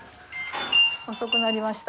遅くなりました。